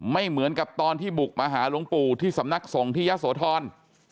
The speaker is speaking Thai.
ไม่เหมือนกับตอนที่บุกมาหาลงปู่ที่สำนักทรงที่ยศโทรณ์